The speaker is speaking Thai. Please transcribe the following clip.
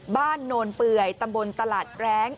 บ้านโนลเปื่อยตำบลตลาดแร้ง